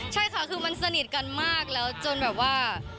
ใช่ค่ะคือมันสนิทกันมากแล้วจนแบบว่า